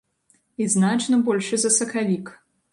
І значна большы за сакавік.